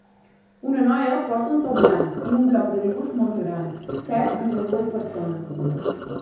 Una noia porta un top blanc i un bloc de dibuix molt gran seu entre dues persones.